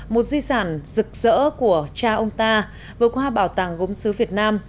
một di sản rực rỡ của cha ông ta vừa qua bảo tàng gốm xứ việt nam